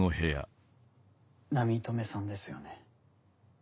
波止さんですよね？